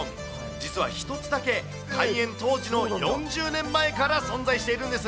実は１つだけ、開園当時の４０年前から存在しているんです。